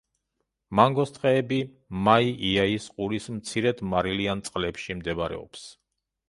მანგროს ტყეები მაი იაის ყურის მცირედ მარილიან წყლებში მდებარეობს.